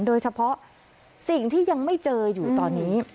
โดยเฉพาะสิ่งที่ยังไม่เจออยู่ตอนนี้